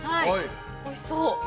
◆おいしそう。